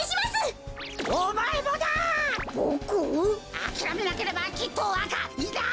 あきらめなければきっとわかいや！